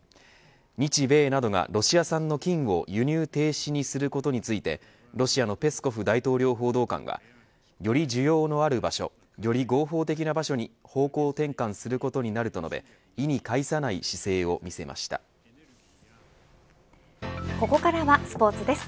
日米などがロシア産の金を輸入停止にすることについてロシアのペスコフ大統領報道官はより需要のある場所より合法的な場所に方向転換することになると述べここからはスポーツです。